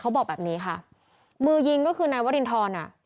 บอกแบบนี้ค่ะมือยิงก็คือนายวรินทรอ่ะ